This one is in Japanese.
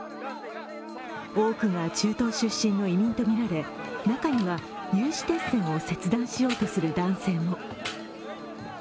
多くが中東出身の移民とみられ中には有刺鉄線を切断しようとする男性も。